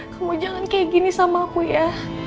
kamu jalan kayak gini sama aku ya